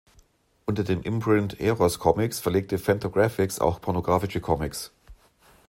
Unter dem Imprint Eros Comix verlegt Fantagraphics auch pornographische Comics.